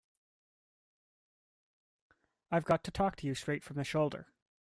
I've got to talk to you straight from the shoulder.